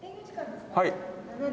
はい。